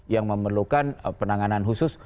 yang memerlukan penanganan khusus